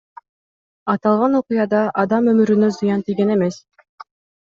Аталган окуяда адам өмүрүнө зыян тийген эмес.